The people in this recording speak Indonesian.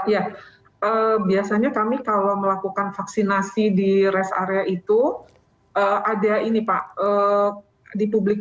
ya biasanya kami kalau melakukan vaksinasi di rest area itu ada ini pak di publik